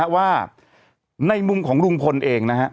ว่าในมุมของลุงพลเอง